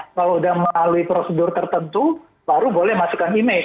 kalau sudah melalui prosedur tertentu baru boleh masukkan email